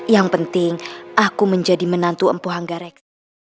yang penting aku menjadi menantu empu hangga reksa